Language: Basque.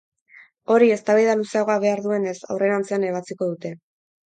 Hori, eztabaida luzeagoa behar duenez, aurrerantzean ebatziko dute.